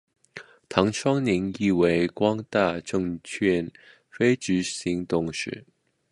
唐双宁亦为光大证券非执行董事。